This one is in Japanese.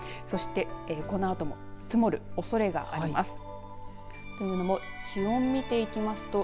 そして、このあとも積もるおそれがあります。